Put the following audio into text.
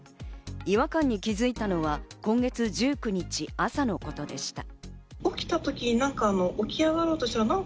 違和感に気づいたのは今月１９日、朝のことでした。